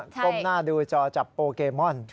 ก้มหน้าดูจอจับโปเกมอน